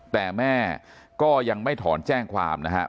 แต่แม่ก็ยังไม่ถอนแจ้งความนะครับ